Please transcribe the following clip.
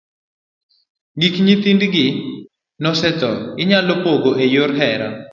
Gik nyithindgi mosetho inyalo pog e yor hera.